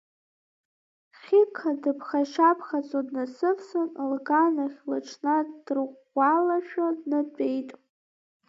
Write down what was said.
Хьықа дыԥхашьаԥхаҵо днасывсын, лганахь лыҽнадырӷәӷәалашәа днатәеит.